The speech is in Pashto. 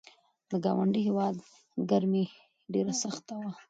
د ګاونډي هیواد ګرمي ډېره سخته وه.